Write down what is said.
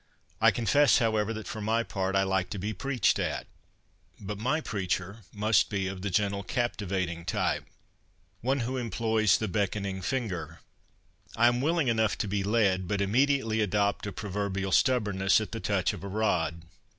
I confess, however, that for my part I like to be ' preached at.' But my preacher must be of the gentle, captivating type — one who employs the beckoning finger. I am willing enough to be led, but immediately adopt a proverbial stubbornness at the touch of a rod.